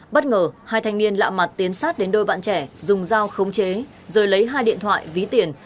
bất ngờ hai thanh niên lạ mặt tiến sát đến đôi bạn trẻ dùng dao khống chế rồi lấy hai điện thoại ví tiền